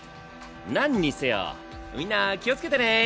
なんにせよみんな気をつけてね。